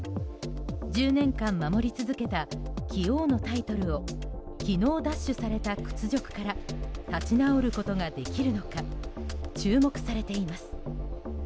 １０年間守り続けた棋王のタイトルを昨日奪取された屈辱から立ち直ることができるのか注目されています。